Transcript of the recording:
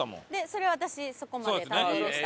それ私そこまで担当でした。